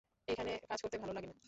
এখানে কাজ করতে ভালো লাগে না?